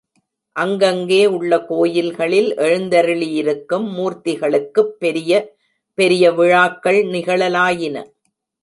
அங்கங்கே உள்ள கோயில்களில் எழுந்தருளியிருக்கும் மூர்த்திகளுக்குப் பெரிய பெரிய விழாக்கள் நிகழலாயின.